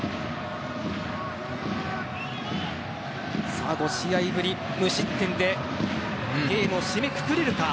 さあ、５試合ぶりの無失点でゲームを締めくくれるか。